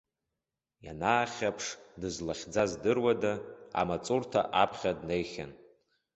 Ианаахьаԥш, дызлахьӡа здыруада, амаҵурҭа аԥхьа днеихьан.